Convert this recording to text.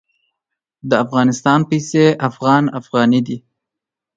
د افغانستان پیسې افغان افغاني دي.